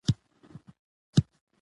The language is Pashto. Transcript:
د استالف کلالي مشهوره ده